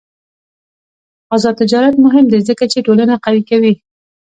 آزاد تجارت مهم دی ځکه چې ټولنه قوي کوي.